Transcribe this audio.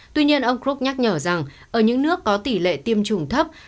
tuy nhiên ông group nhắc nhở rằng ở những nước có tỷ lệ tiêm chủng thấp